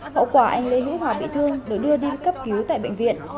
hậu quả anh lê hữu hòa bị thương được đưa đi cấp cứu tại bệnh viện